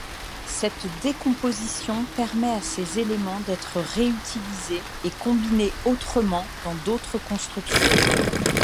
Cette décomposition permet à ces éléments d'être réutilisés et combinés autrement dans d'autres constructions.